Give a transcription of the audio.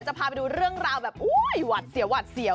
พาไปดูเรื่องราวแบบอุ้ยหวัดเสียวหวัดเสียว